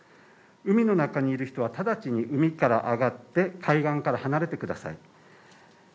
海の中にいる人は直ちに海から上がって海岸から離れてください